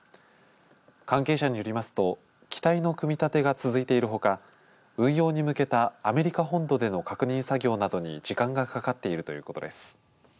関係者によりますと機体の組み立てが続いているほか運用に向けたアメリカ本土での確認作業などに時間がかかっているということです。